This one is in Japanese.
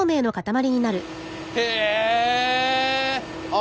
へえ！